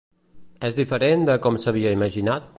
És diferent de com s'havia imaginat?